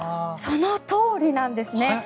そのとおりなんですね。